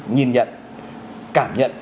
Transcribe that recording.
nhìn nhận cảm nhận